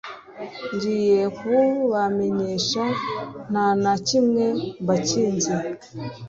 ngiye kububamenyesha nta na kimwe mbakinze